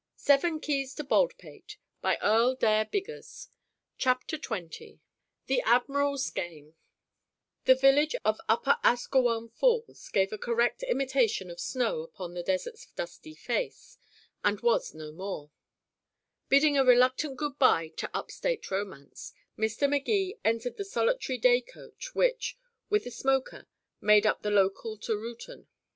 After all, it had been in the waiting room CHAPTER XX THE ADMIRAL'S GAME The village of Upper Asquewan Falls gave a correct imitation of snow upon the desert's dusty face, and was no more. Bidding a reluctant good by to up state romance, Mr. Magee entered the solitary day coach which, with a smoker, made up the local to Reuton.